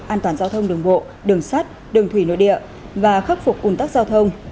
an toàn giao thông đường bộ đường sắt đường thủy nội địa và khắc phục ủn tắc giao thông